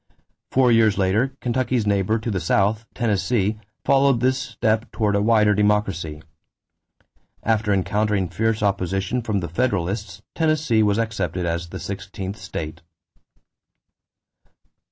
Four years later, Kentucky's neighbor to the south, Tennessee, followed this step toward a wider democracy. After encountering fierce opposition from the Federalists, Tennessee was accepted as the sixteenth state.